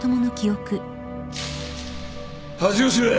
恥を知れ！